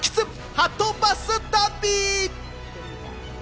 はとバス旅！